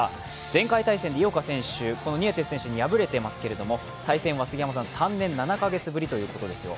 前回対戦で井岡選手、このニエテス選手に敗れていますけど再戦は３年７カ月ぶりということですよ。